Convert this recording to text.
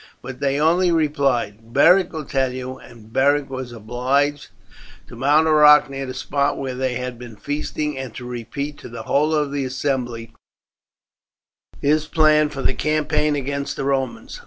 But they only replied, "Beric will tell you," and Beric was obliged to mount a rock near the spot where they had been feasting, and to repeat to the whole of the assembly his plan for the campaign against the Romans.